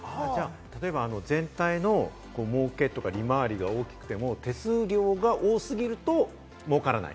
例えば全体の儲けとか、利回りが大きくても手数料が多すぎると儲からない。